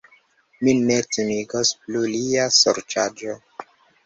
Min ne timigos plu lia sorĉaĵo!